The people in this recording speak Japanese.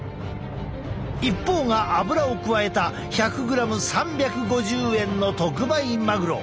一方がアブラを加えた１００グラム３５０円の特売マグロ。